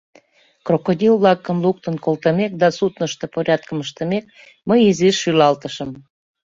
Крокодил-влакым луктын колтымек да суднышто порядкым ыштымек, мый изиш шӱлалтышым.